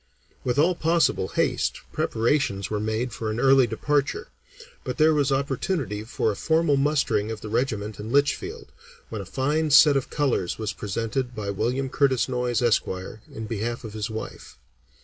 With all possible haste, preparations were made for an early departure, but there was opportunity for a formal mustering of the regiment in Litchfield, when a fine set of colors was presented by William Curtis Noyes, Esq., in behalf of his wife.